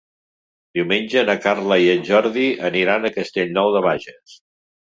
Diumenge na Carla i en Jordi aniran a Castellnou de Bages.